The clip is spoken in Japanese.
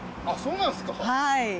はい。